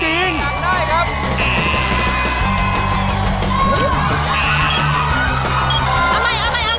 เอาใหม่